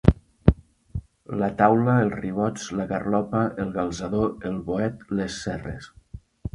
La taula els ribots la garlopa el galzador el boet les serres.